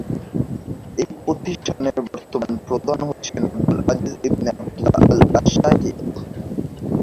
এই প্রতিষ্ঠানের বর্তমান প্রধান হচ্ছেন আব্দুল আজিজ ইবনে আব্দুল্লাহ আল আশ-শাইখ।